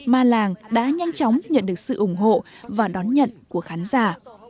ma làng đã nhanh chóng nhận được sự ủng hộ và đón nhận của khán giả